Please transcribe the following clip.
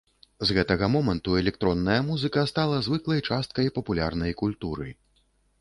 З гэтага моманту электронная музыка стала звыклай часткай папулярнай культуры.